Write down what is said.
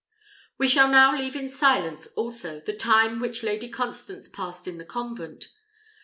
We shall now leave in silence also the time which Lady Constance passed in the convent.